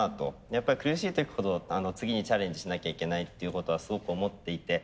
やっぱり苦しい時ほど次にチャレンジしなきゃいけないっていうことはすごく思っていて。